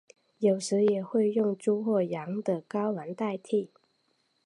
有时也会用猪或羊的睾丸代替。